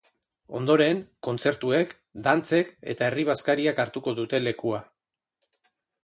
Ondoren, kontzertuek, dantzek eta herri-bazkariak hartuko dute lekua.